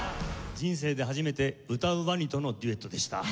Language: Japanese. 人生で初めて歌うワニとのデュエットでした。